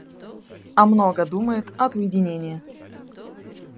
А много думает от уединения.